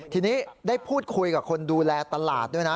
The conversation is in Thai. ทีนี้ได้พูดคุยกับคนดูแลตลาดด้วยนะ